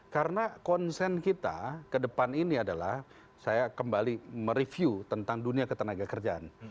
karena konsen kita ke depan ini adalah saya kembali mereview tentang dunia ketenaga kerjaan